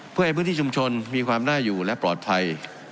เพื่อให้พื้นที่ชุมชนมีความน่าอยู่และปลอดภัย